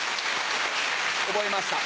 覚えました。